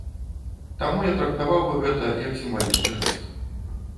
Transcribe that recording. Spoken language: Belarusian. Таму я трактаваў бы гэта як сімвалічны жэст.